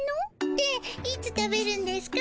でいつ食べるんですか？